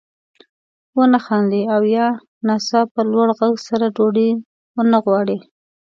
ونه خاندي او یا ناڅاپه لوړ غږ سره ډوډۍ وانه غواړي.